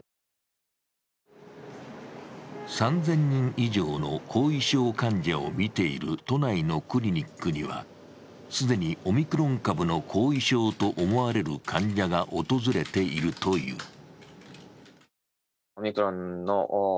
３０００人以上の後遺症患者を診ている都内のクリニックには既にオミクロン株の後遺症と思われる患者が訪れているという。